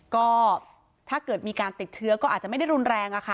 ก็ถ้าเกิดมีการติดเชื้อก็อาจจะไม่ได้รุนแรงอะค่ะ